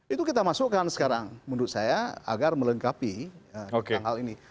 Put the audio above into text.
itu kita masukkan sekarang menurut saya agar melengkapi hal ini